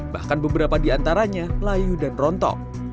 bahkan beberapa di antaranya layu dan rontok